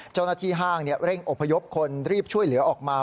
เจ้าหน้าที่ห้างเร่งอพยพคนรีบช่วยเหลือออกมา